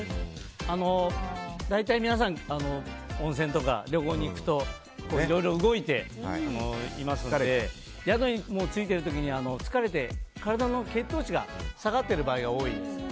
大体、皆さん温泉とか旅行に行くといろいろ動いていますので宿に着く時には疲れて、体の血糖値が下がっている場合が多いんです。